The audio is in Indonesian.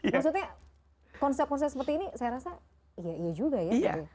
maksudnya konsep konsep seperti ini saya rasa iya iya juga ya